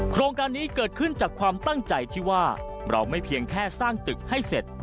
โครงการนี้เกิดขึ้นจากความตั้งใจที่ว่าเราไม่เพียงแค่สร้างตึกให้เสร็จ